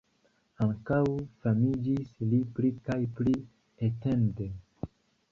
Ankaŭ famiĝis li pli kaj pli etende.